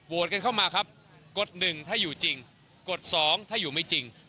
กันเข้ามาครับกฎ๑ถ้าอยู่จริงกฎ๒ถ้าอยู่ไม่จริง